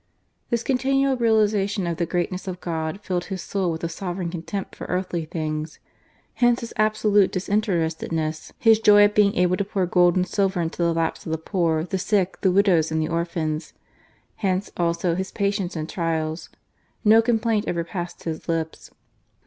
I continual realization of the greatness of I jj ed his soul with a sovereign contempt for fthiy things. Hence his absolute disinterested . s ; his joy at being able to pour gold and 7L er into the laps of the poor, the sick, the widows, ti"! the orphans. Hence, also, his patience in trials. complaint ever passed his lips.